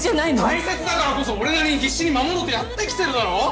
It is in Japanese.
大切だからこそ俺なりに必死に守ろうとやってきてるだろ